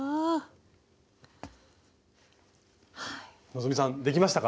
希さんできましたか？